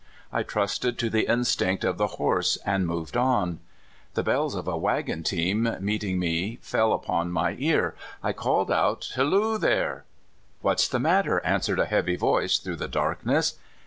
I trusted to the instinct of the horse, and moved on. The bells of a wa^on team meeting me fell upon my ear. I called out: " Halloo there! " ''What's the matter?" answered a heavy voice through the darkness.